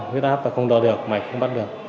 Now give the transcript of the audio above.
huyết áp và không đo được mạch không bắt được